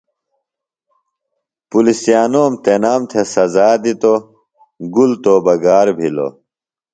پُلِسیانوم تنام سزا دِتوۡ۔ گُل توبہ گار بِھلوۡ۔